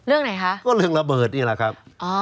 เรื่องไหนคะก็เรื่องระเบิดนี่แหละครับ